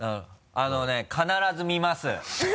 あのね必ず見ます。